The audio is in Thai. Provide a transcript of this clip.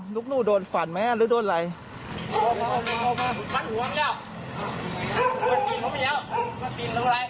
ลุกนู้นโดนฝันไหมลูกนู้นอะไร